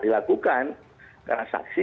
dilakukan karena saksi